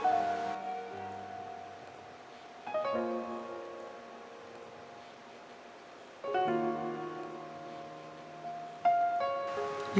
จะให้น้องค่อยมีชีวิตอยู่กับพ่อกับแม่นานครับ